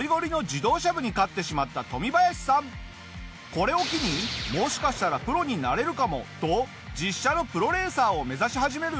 これを機に「もしかしたらプロになれるかも」と実車のプロレーサーを目指し始めるんだけど。